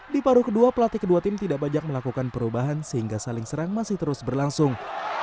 di paruh kedua pelatih kedua tim tidak banyak melakukan perubahan sehingga saling serang masih terus berlangsung